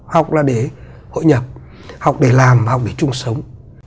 học là để hội nhập học để làm học để chung sống